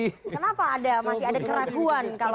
kenapa ada masih ada keraguan kalau